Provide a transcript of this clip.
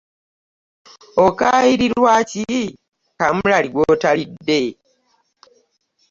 Okaayirirwa ki kaamulali gw'otalidde?